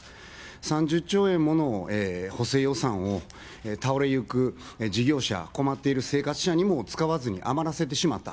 ３０兆円もの補正予算を、倒れゆく事業者、困っている生活者にも使わずに余らせてしまった。